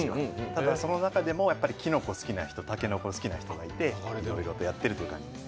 ただその中でもきのこ好きな人、たけのこ好きな人がいていろいろとやっているという感じです。